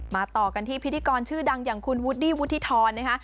ต่อกันที่พิธีกรชื่อดังอย่างคุณวูดดี้วุฒิธรนะคะ